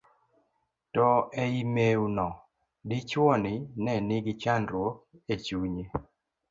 to ei mew no, dichuo ni ne nigi chandruok e chunye